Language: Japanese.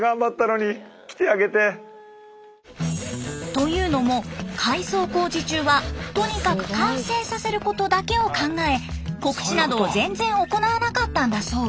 というのも改装工事中はとにかく完成させることだけを考え告知などを全然行わなかったんだそう。